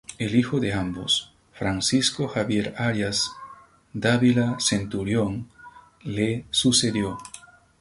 El hijo de ambos, Francisco Javier Arias-Dávila Centurión, le sucedió.